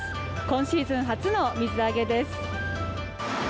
今シーズン初の水揚げです。